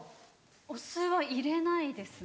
お酢は入れないですね。